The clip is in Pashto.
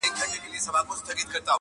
o او خپل بار وړي خاموشه,